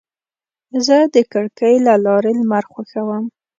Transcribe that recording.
زه د کړکۍ له لارې لمر خوښوم.